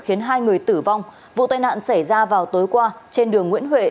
khiến hai người tử vong vụ tai nạn xảy ra vào tối qua trên đường nguyễn huệ